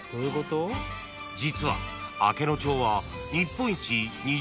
［実は明野町は］